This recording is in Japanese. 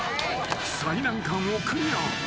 ［最難関をクリア］